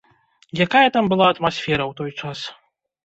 Якая там была атмасфера ў той час?